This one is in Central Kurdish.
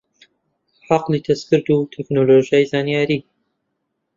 عەقڵی دەستکرد و تەکنۆلۆژیای زانیاری